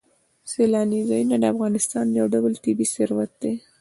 سیلاني ځایونه د افغانستان یو ډول طبعي ثروت دی.